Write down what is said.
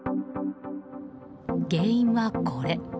原因は、これ。